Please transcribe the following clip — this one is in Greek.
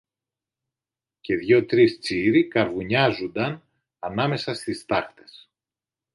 και δυο τρεις τσίροι καρβουνιάζουνταν ανάμεσα στις στάχτες.